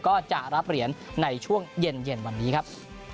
ก็จะรับเหรียญในช่วงเย็นวันนี้ครับ